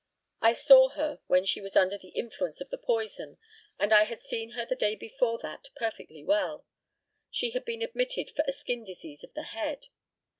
I saw her when she was under the influence of the poison, and I had seen her the day before that perfectly well. She had been admitted for a skin disease of the head.